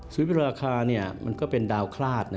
สุริยุปราคามันก็เป็นดาวคลาศ